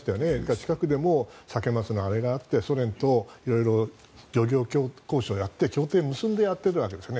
近くでもサケ、マスのあれがあってソ連と漁業交渉をやって協定を結んでやっているわけですよね。